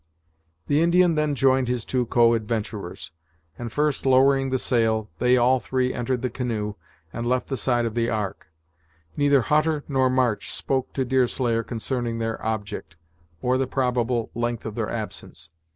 The Indian then joined his two co adventurers, and first lowering the sail, they all three entered the canoe, and left the side of the ark. Neither Hutter nor March spoke to Deerslayer concerning their object, or the probable length of their absence.